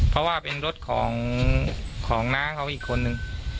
เพราะว่าเป็นรถของน้าเขาอีกคนนึง